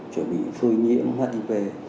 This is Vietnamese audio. chuẩn bị phơi nhiễm hiv